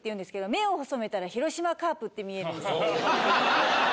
目を細めたら広島カープって見えるんですよ。